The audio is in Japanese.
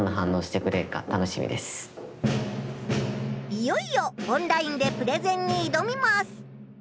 いよいよオンラインでプレゼンにいどみます！